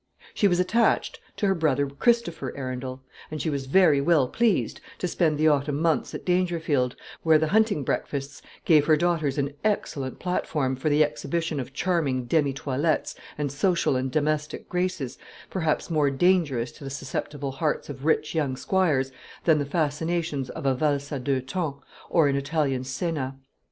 She was attached to her brother Christopher Arundel, and she was very well pleased to spend the autumn months at Dangerfield, where the hunting breakfasts gave her daughters an excellent platform for the exhibition of charming demi toilettes and social and domestic graces, perhaps more dangerous to the susceptible hearts of rich young squires than the fascinations of a valse à deux temps or an Italian scena.